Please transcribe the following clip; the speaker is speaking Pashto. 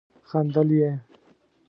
خندل يې.